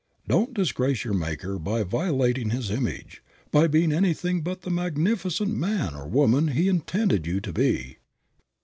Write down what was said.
Don't disgrace your Maker by violating His image, by being anything but the magnificent man or woman He intended you to be."